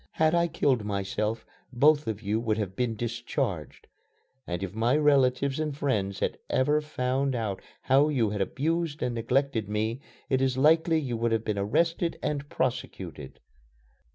Had I killed myself, both of you would have been discharged. And if my relatives and friends had ever found out how you had abused and neglected me, it is likely you would have been arrested and prosecuted."